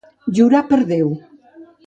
Jurar per Déu.